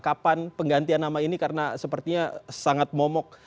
kapan penggantian nama ini karena sepertinya sangat momok